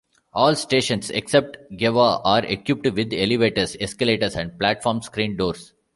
All stations except Gaehwa are equipped with elevators, escalators, and platform screen doors.